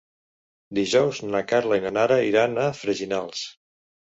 Dijous na Carla i na Nara iran a Freginals.